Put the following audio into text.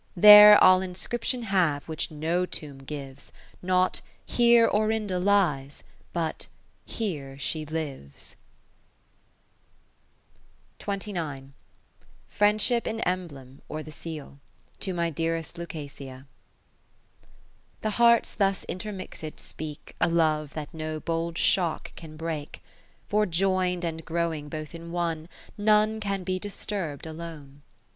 20 There I'll inscription have which no tomb gives, Not, Here Orinda lies, but. Here she lives. Frie7idship ifi Eml?iem^ or the Seal Friendship in Emblem, or the Seal. To my dearest Lucasia I The Hearts thus intermixed speak A love that no bold shock can break ; For join'd and growing both in one, None can be disturb'd alone.